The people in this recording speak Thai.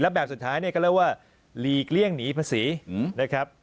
แบบสุดท้ายเนี่ยก็เรียกว่าหลีกเลี่ยงหนีภาษีนะครับ